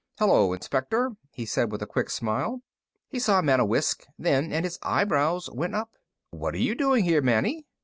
"Hello, Inspector," he said with a quick smile. He saw Manewiscz then, and his eyebrows went up. "What are you doing here, Manny?"